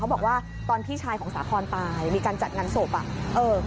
บอกว่าตอนพี่ชายของสาคอนตายมีการจัดงานศพอ่ะเออ